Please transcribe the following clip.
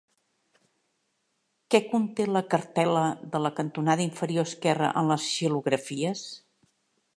Què conté la cartel·la de la cantonada inferior esquerra en les xilografies?